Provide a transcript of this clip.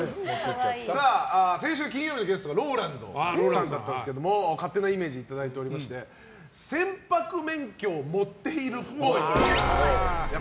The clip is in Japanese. さあ、先週金曜日のゲストがＲＯＬＡＮＤさんだったんですが勝手なイメージをいただいておりまして船舶免許を持ってるっぽい。